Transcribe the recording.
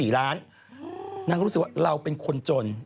นางก็รู้สึกว่าเราเป็นคนจน